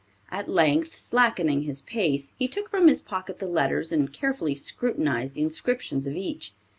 At length, slackening his pace, he took from his pocket the letters and carefully scrutinized the inscription of each.